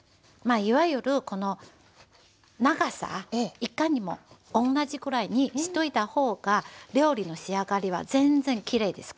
いわゆるこの長さいかにも同じくらいにしといた方が料理の仕上がりは全然きれいですからね。